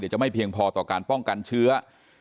จะไม่เพียงพอต่อการป้องกันเชื้อ